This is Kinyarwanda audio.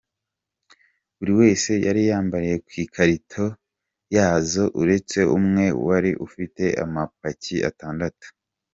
Buri wese yari yambariye ku ikarito yazo uretse umwe wari ufite amapaki atandatu.